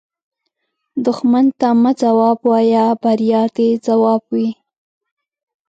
دښمن ته مه ځواب وایه، بریا دې ځواب وي